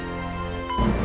ya allah papa